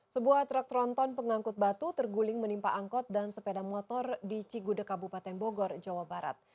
sebuah truk tronton pengangkut batu terguling menimpa angkot dan sepeda motor di cigude kabupaten bogor jawa barat